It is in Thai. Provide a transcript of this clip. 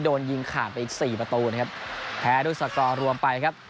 โดนยิงขาดไปอีกสี่ประตูนะครับแพ้ด้วยสกอร์รวมไปครับ